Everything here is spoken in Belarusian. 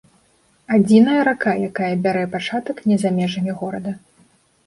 Адзіная рака, якая бярэ пачатак не за межамі горада.